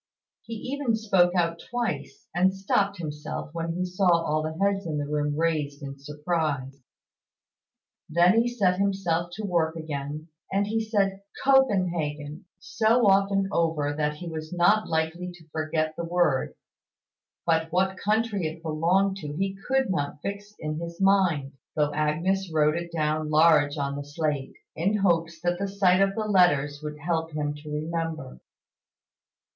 He even spoke out twice, and stopped himself when he saw all the heads in the room raised in surprise. Then he set himself to work again, and he said "Copenhagen" so often over that he was not likely to forget the word; but what country it belonged to he could not fix in his mind, though Agnes wrote it down large on the slate, in hopes that the sight of the letters would help him to remember.